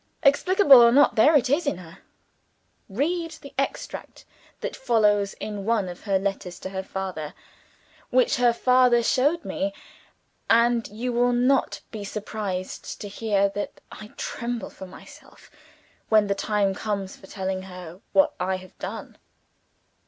Explicable, or not, there it is in her. Read the extract that follows from one of her letters to her father, which her father showed to me and you will not be surprised to hear that I tremble for myself when the time comes for telling her what I have done.